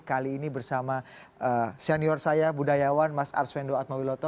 kali ini bersama senior saya budayawan mas arswendo atmawiloto